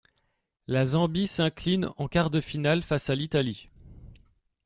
La Zambie s'incline en quart de finale face à l'Italie.